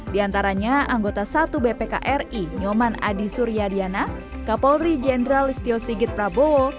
di antaranya anggota satu bp kri nyoman adi suryadiana kapolri jenderal istio sigit prabowo